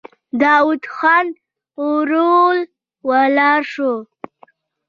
داوود خان ورو ولاړ شو.